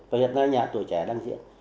và hiện nay nhà tuổi trẻ đang diễn